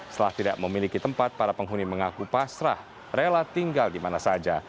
setelah tidak memiliki tempat para penghuni mengaku pasrah rela tinggal di mana saja